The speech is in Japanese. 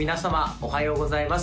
おはようございます